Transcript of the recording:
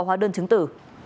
hóa đơn chứng tử